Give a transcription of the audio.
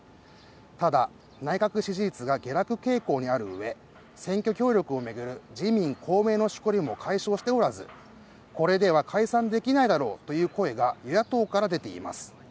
ただ、内閣支持率が下落傾向にある上、選挙協力を巡る自民・公明のしこりも解消しておらず、これでは解散できないだろうという声が与野党から出ています。